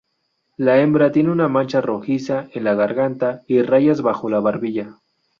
La hembra tiene una mancha rojiza en la garganta y rayas bajo la barbilla.